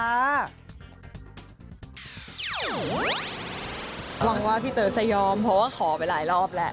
หวังว่าพี่เต๋อจะยอมเพราะว่าขอไปหลายรอบแหละ